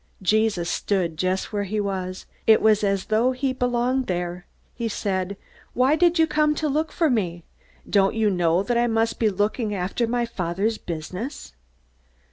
Jesus stood just where he was. It was as though he belonged there. He said: "Why did you come to look for me? Don't you know that I must be looking after my Father's business?"